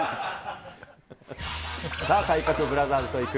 さあ、体格ブラザーズと行く！